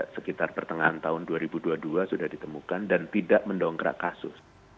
sekitar pertengahan tahun dua ribu dua puluh dua sudah ditemukan dan tidak mendongkrak kasus